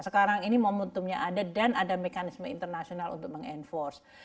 sekarang ini momentumnya ada dan ada mekanisme internasional untuk meng enforce